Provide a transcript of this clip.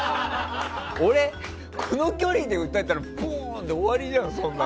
俺、この距離で打たれたらボーン！で終わりじゃん。